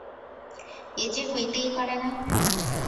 এ যে হইতেই পারে না।